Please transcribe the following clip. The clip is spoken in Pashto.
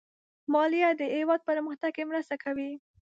مالیه د هېواد پرمختګ کې مرسته کوي.